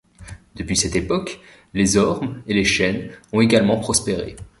Depuis cette époque, les Ormes et les chênes ont également prospéré.